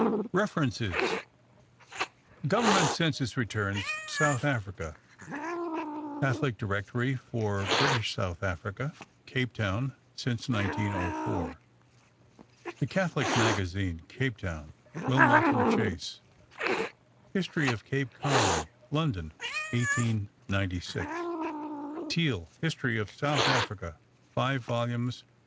REFERENCES: Government Census Returns, South Africa; Catholic Directory for British South Africa (Cape Town, since 1904); The Catholic Magazine, Cape Town; Wilmot and Chase: History of Cape Colony (London, 1896); Theal: History of South Africa (5 vols.